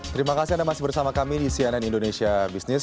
terima kasih anda masih bersama kami di cnn indonesia business